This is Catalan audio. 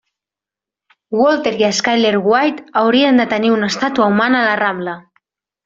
Walter i Skyler White haurien de tenir una estàtua humana a la Rambla.